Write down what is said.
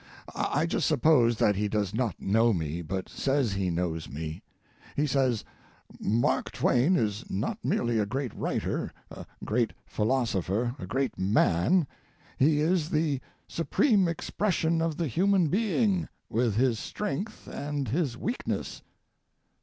I just suppose that he does not know me, but says he knows me. He says "Mark Twain is not merely a great writer, a great philosopher, a great man; he is the supreme expression of the human being, with his strength and his weakness."